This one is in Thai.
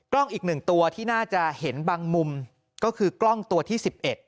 อีก๑ตัวที่น่าจะเห็นบางมุมก็คือกล้องตัวที่๑๑